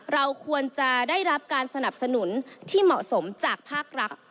เราควรจะได้รับการสนับสนุนที่เหมาะสมจากภาครัฐ